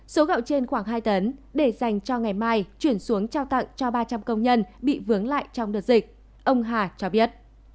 số gạo trên khoảng hai tấn để dành cho ngày mai chuyển xuống trao tặng cho ba trăm linh công nhân bị vướng lại trong đợt dịch ông hà cho biết